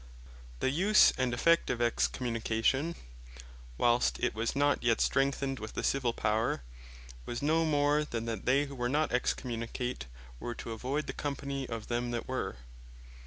The Use and Effect of Excommunication, whilest it was not yet strengthened with the Civill Power, was no more, than that they, who were not Excommunicate, were to avoid the company of them that were.